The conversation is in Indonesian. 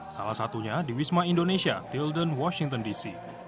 salah satunya di wisma indonesia tilden washington dc